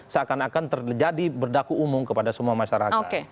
seakan akan terjadi berdaku umum kepada semua masyarakat